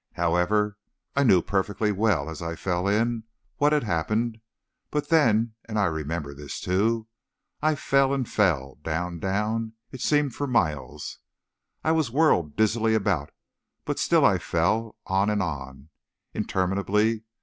"However, I knew perfectly well, as I fell in, what had happened, but then, and I remember this, too, I fell and fell, down, down, it seemed for miles; I was whirled dizzily about, but still I fell on and on, interminably.